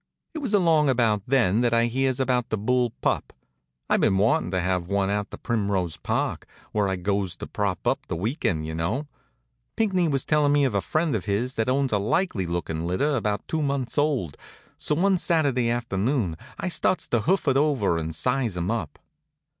It was along about then that I hears about the bull pup. I'd been wantin' to have one out to Primrose Park where I goes to prop up the weekend, you know. Pinckney was tellin' me of a friend of his that owns a likely lookin' litter about two months old, so one Saturday afternoon I starts to hoof it over and size 'em up.